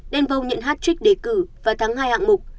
denval nhận hat trick đề cử và thắng hai hạng mục